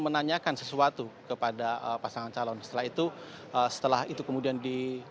atau pun menanyakan sesuatu kepada pasangan calon setelah itu setelah itu kemudian di jawab nanti kemudian